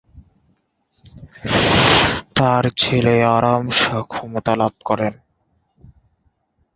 তার ছেলে আরাম শাহ ক্ষমতা লাভ করেন।